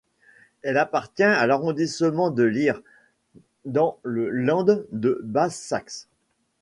Elle appartient à l'arrondissement de Leer, dans le Land de Basse-Saxe.